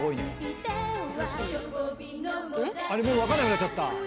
もう分かんなくなっちゃった。